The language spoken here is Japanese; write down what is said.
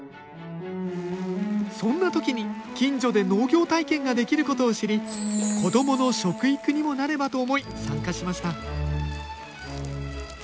そんな時に近所で農業体験ができることを知り子どもの食育にもなればと思い参加しました